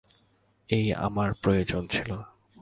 এই আমার প্রয়োজন ছিল।